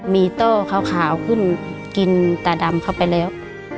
มีโต้ขาวขึ้นกินตาดำเข้าไปแล้ว